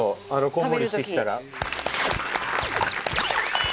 こんもりしてきたら。